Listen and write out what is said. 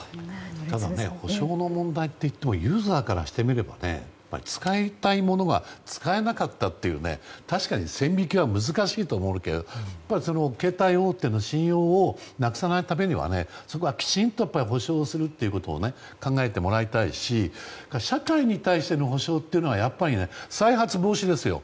ただ補償の問題といってもユーザーからしてみれば使いたいものが使えなかったっていう確かに、線引きは難しいと思うけど携帯大手の信用をなくさないためにはそこはきちんと補償することを考えてもらいたいし社会に対しての補償というのは再発防止ですよ。